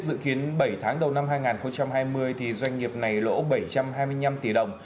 dự kiến bảy tháng đầu năm hai nghìn hai mươi doanh nghiệp này lỗ bảy trăm hai mươi năm tỷ đồng